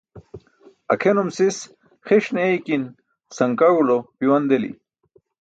Akʰenum sis xiṣ ne eykin, sankaẏulo piwan deli.